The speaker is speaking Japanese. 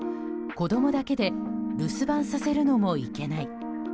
子供だけで留守番させるのもいけない。